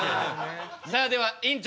さあでは院長